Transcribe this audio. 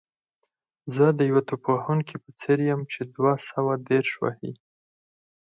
زه د یو توپ وهونکي په څېر یم چې دوه سوه دېرش وهي.